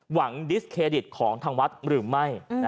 ดิสเครดิตของทางวัดหรือไม่